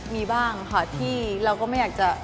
มีบ้างค่ะที่เราก็ไม่อยากจะ